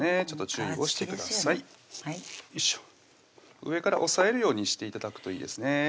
ちょっと注意をしてください上から押えるようにして頂くといいですね